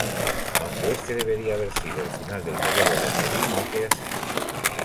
Aunque este debería haber sido el final del modelo Bonneville, no fue así.